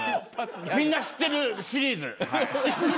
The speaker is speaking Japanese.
みんな知ってるシリーズ。